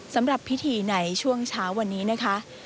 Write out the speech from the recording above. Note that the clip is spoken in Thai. สำหรับพิธีในช่วงเช้าวันนี้นะคะ